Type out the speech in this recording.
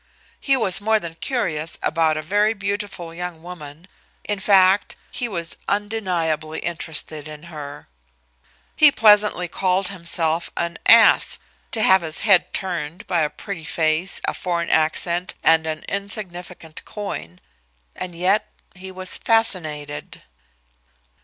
He was more than curious about a very beautiful young woman in fact, he was, undeniably interested in her. He pleasantly called himself an "ass" to have his head turned by a pretty face, a foreign accent and an insignificant coin, and yet he was fascinated.